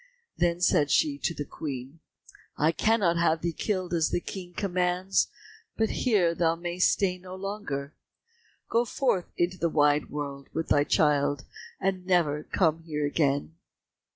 Then said she to the Queen, "I cannot have thee killed as the King commands, but here thou mayst stay no longer. Go forth into the wide world with thy child, and never come here again."